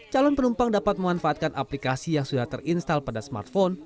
calon penumpang dapat memanfaatkan aplikasi yang sudah terinstal pada smartphone